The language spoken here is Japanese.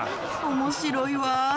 面白いわ。